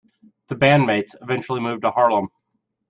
The bandmates eventually moved to Harlem.